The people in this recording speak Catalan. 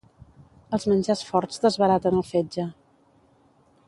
Els menjars forts desbaraten el fetge.